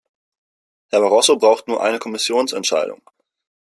Herr Barroso braucht nur eine Kommissionsentscheidung.